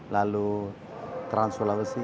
lalu trans sulawesi